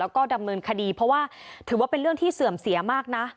แล้วก็ดำเนินคดีเพราะว่าถือว่าเป็นเรื่องที่เสื่อมเสียมากนะ